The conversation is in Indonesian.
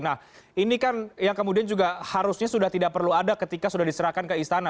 nah ini kan yang kemudian juga harusnya sudah tidak perlu ada ketika sudah diserahkan ke istana